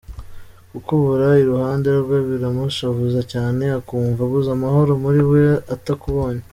Kukubura iruhande rwe biramushavuza cyane akumva abuze amahoro muri we atakubonye.